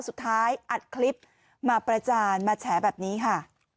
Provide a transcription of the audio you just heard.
สุดท้ายอัดคลิปมาประจานมาแฉแบบนี้ค่ะ